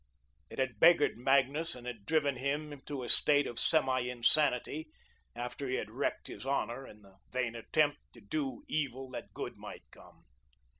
It had beggared Magnus and had driven him to a state of semi insanity after he had wrecked his honour in the vain attempt to do evil that good might come.